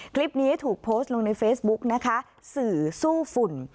คลิปนี้ถูกโพสต์ลงในเฟซบุ๊กนะคะสื่อสู้ฝุ่น